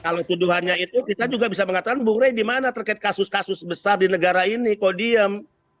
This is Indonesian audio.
kalau tuduhannya itu kita juga bisa mengatakan bung rey di mana terkait kasus kasus besar di negara ini kok diem